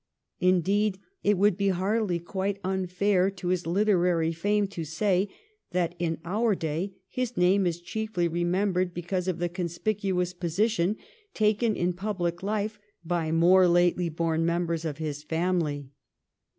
Indeed, it would be hardly quite unfair to his literary fame to say that in our day his name is chiefly remembered because of the conspicuous position taken in public life by more lately born members of his family.